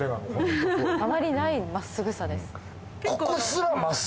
あまりないまっすぐさです。